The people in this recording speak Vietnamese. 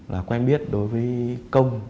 là quen biết đối với công